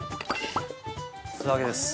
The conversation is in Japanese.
素揚げです。